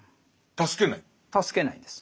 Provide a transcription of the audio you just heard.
助けないんです。